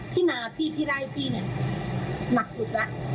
ที่นาพี่ที่ไร้พี่เนี่ยหนักสุดละ